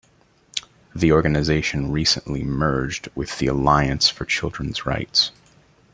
The organization recently merged with The Alliance For Children's Rights.